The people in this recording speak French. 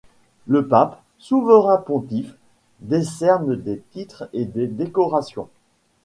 Le pape, souverain pontife, décerne des titres et des décorations.